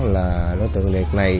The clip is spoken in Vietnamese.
là đối tượng liệt này